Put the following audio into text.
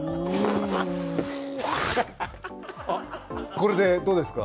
これで、どうですか？